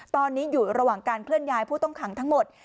ตอนนี้อยู่ระหว่างการเคลื่อนย้ายผู้ต้องขังทั้งหมด